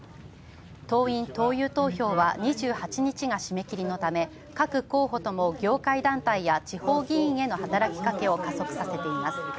党員・党友投票は２８日が締め切りのため各候補とも業界団体や地方議員への働きかけを加速させています。